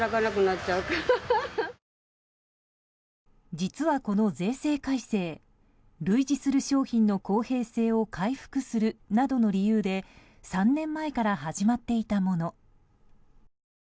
実はこの税制改正類似する商品の公平性を回復するなどの理由で３年前から始まっていたもの。